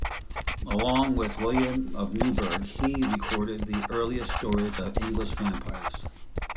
Along with William of Newburgh, he recorded the earliest stories of English vampires.